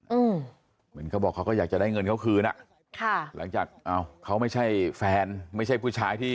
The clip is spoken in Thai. เหมือนเขาบอกเขาก็อยากจะได้เงินเขาคืนอ่ะค่ะหลังจากอ้าวเขาไม่ใช่แฟนไม่ใช่ผู้ชายที่